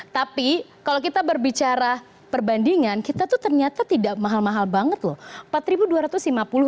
tapi kalau kita berbicara perbandingan kita tuh ternyata tidak mahal mahal banget loh